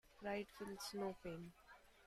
Pride feels no pain.